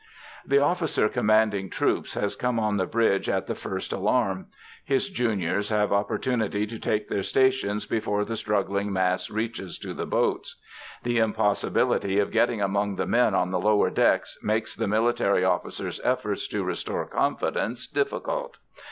The officer commanding troops has come on the bridge at the first alarm. His juniors have opportunity to take their stations before the struggling mass reaches to the boats. The impossibility of getting among the men on the lower decks makes the military officers' efforts to restore confidence difficult.